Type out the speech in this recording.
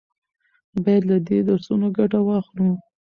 باید له دې درسونو ګټه واخلو.